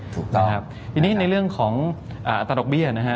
ถูกต้องทีนี้ในเรื่องของอาตารกเบี้ยนะฮะ